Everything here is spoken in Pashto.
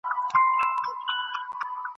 تعاون د ټولني قوت دی.